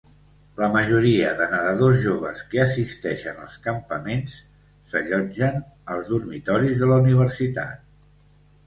La majoria de nadadors joves que assisteixen als campaments s'allotgen als dormitoris de la universitat.